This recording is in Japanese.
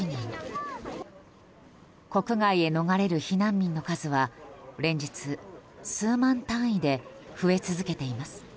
国外へ逃れる避難民の数は連日、数万単位で増え続けています。